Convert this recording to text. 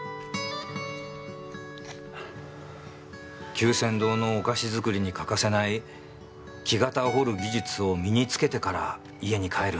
久泉堂のお菓子作りに欠かせない木型を彫る技術を身につけてから家に帰るんだ。